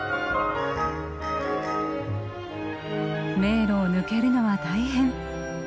迷路を抜けるのは大変。